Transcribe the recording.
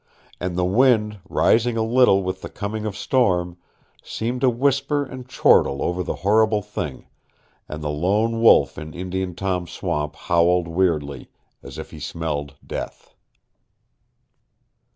And the wind, rising a little with the coming of storm, seemed to whisper and chortle over the horrible thing, and the lone wolf in Indian Tom's swamp howled weirdly, as if he smelled death.